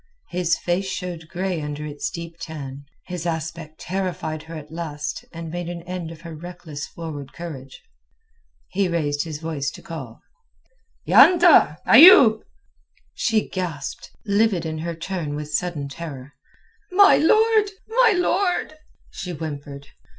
His face showed grey under its deep tan. His aspect terrified her at last and made an end of her reckless forward courage. He raised his voice to call. "Ya anta! Ayoub!" She gasped, livid in her turn with sudden terror. "My lord, my lord!" she whimpered.